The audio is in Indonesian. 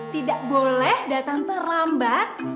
tidak boleh datang terlambat